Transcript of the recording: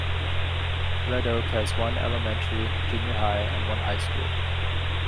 Red Oak has one elementary, junior high, and one high school.